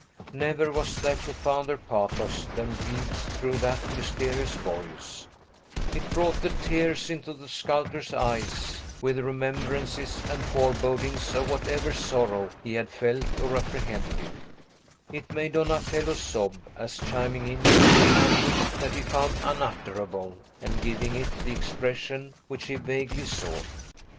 Never was there profounder pathos than breathed through that mysterious voice; it brought the tears into the sculptor's eyes, with remembrances and forebodings of whatever sorrow he had felt or apprehended; it made Donatello sob, as chiming in with the anguish that he found unutterable, and giving it the expression which he vaguely sought.